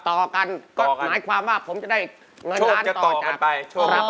ต่อกันก็หมายความว่าผมจะได้เงินล้านต่อกันไป